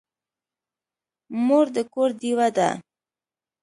مور د کور ډېوه ده.